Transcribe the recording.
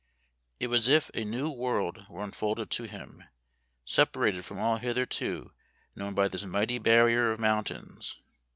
It was as if a new world were unfolded to him, separated from all hitherto known by this mighty barrier of mountains.